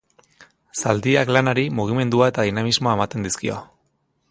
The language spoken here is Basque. Zaldiak, lanari, mugimendua eta dinamismoa ematen dizkio.